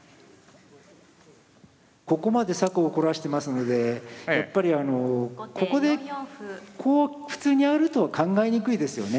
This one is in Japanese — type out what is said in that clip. ここまで策を凝らしてますのでやっぱりあのここでこう普通にやるとは考えにくいですよね。